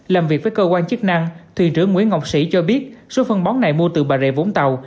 làm việc với cơ quan chức năng thuyền trưởng nguyễn ngọc sĩ cho biết số phân bón này mua từ bà rệ vũng tàu